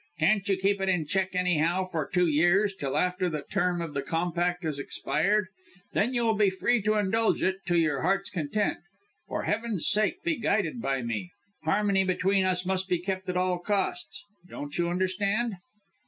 Can't you keep it in check anyhow for two years till after the term of the compact has expired! Then you will be free to indulge in it, to your heart's content. For Heaven's sake, be guided by me. Harmony between us must be kept at all costs. Don't you understand?"